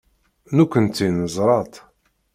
Nekkenti neẓra-tt.